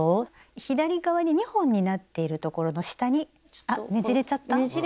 左側に２本になっているところの下にあっねじれちゃった？